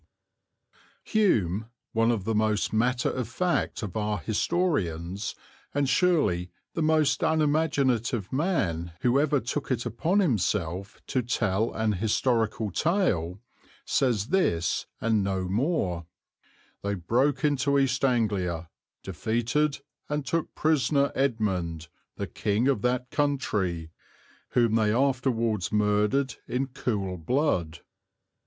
D. Hume, one of the most matter of fact of our historians, and surely the most unimaginative man who ever took it upon himself to tell an historical tale, says this and no more: "They broke into East Anglia, defeated and took prisoner Edmund, the king of that country, whom they afterwards murdered in cool blood."